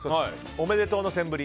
おめでとうのセンブリ。